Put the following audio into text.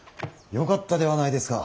よかったではないですか。